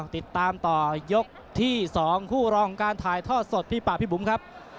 ติดตามต่อยกที่๒คู่รองการถ่ายทอดสดพี่ป่าพี่บุ๋มครับ